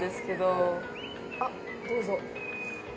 あっどうぞ。